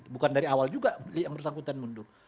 bukan dari awal juga yang bersangkutan mundur